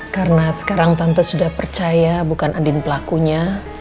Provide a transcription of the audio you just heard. karena sekarang tante sudah percaya bukan andin pelakunya